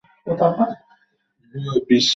আমার ফোন তুলছ না কেন?